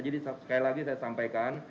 jadi sekali lagi saya sampaikan